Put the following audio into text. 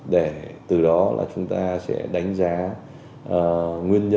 để từ đó là chúng ta sẽ đánh giá nguyên nhân